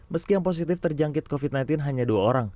meski yang positif terjangkit covid sembilan belas hanya dua orang